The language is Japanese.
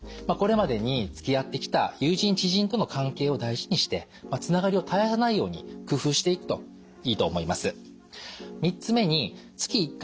これまでにつきあってきた友人・知人との関係を大事にしてつながりを絶やさないように工夫していくといいと思います。